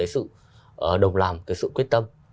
sự đồng làm sự quyết tâm